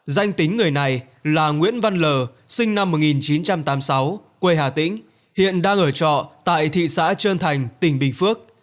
danh tính người này là nguyễn văn l sinh năm một nghìn chín trăm tám mươi sáu quê hà tĩnh hiện đang ở trọ tại thị xã trơn thành tỉnh bình phước